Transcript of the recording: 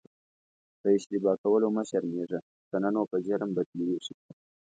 په اشتباه کولو مه شرمېږه که نه نو په جرم بدلیږي.